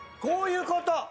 こういうこと！